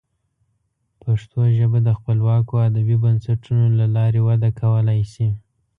پښتو ژبه د خپلواکو ادبي بنسټونو له لارې وده کولی شي.